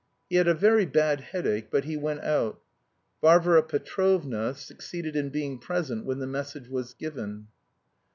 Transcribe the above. He had a very bad headache, but he went out. Varvara Petrovna succeeded in being present when the message was given.